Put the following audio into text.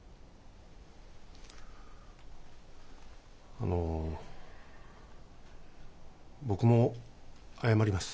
あの僕も謝ります。